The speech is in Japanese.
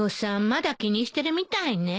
まだ気にしてるみたいね。